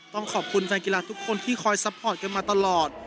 ต้องขอบคุณแฟนกีฬาทุกคนที่คอยซัพพอร์ตกันมาตลอด